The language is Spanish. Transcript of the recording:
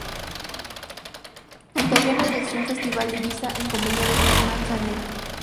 Interviene en el Sun Festival de Ibiza en compañía de Phil Manzanera.